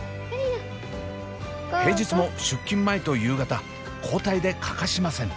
平日も出勤前と夕方交代で欠かしません！